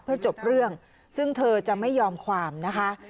เพื่อจบเรื่องซึ่งเธอจะไม่ยอมความนะคะ